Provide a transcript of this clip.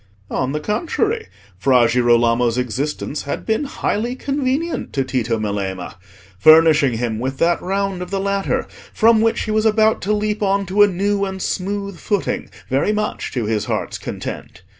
On the contrary, Fra Girolamo's existence had been highly convenient to Tito Melema, furnishing him with that round of the ladder from which he was about to leap on to a new and smooth footing very much to his heart's content.